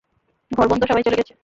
ঘর বন্ধ, সবাই চলে গেছে।